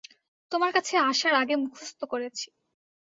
তোমার কাছে আসার আগে মুখস্থ করেছি।